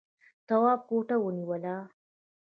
تواب ګوته ونيوله.